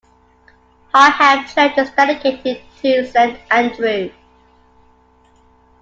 High Ham Church is dedicated to Saint Andrew.